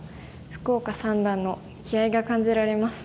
福岡三段の気合いが感じられます。